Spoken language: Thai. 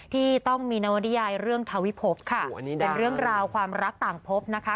ที่ต้องมีนวนิยายเรื่องทวิภพค่ะเป็นเรื่องราวความรักต่างพบนะคะ